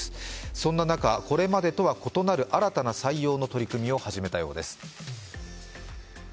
そんな中これまでとは異なる新たな採用の取り組みを始めたようです。